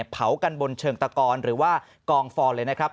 เผากันบนเชิงตะกอนหรือว่ากองฟอนเลยนะครับ